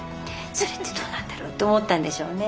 それってどうなんだろうと思ったんでしょうね。